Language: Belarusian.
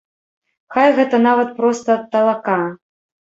Хай гэта нават проста талака.